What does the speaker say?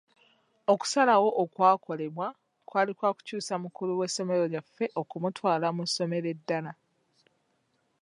Okusalawo okwakolebwa kwali kwa kukyusa mukulu w'essomero lyaffe okumutwala mu ssomero ddala.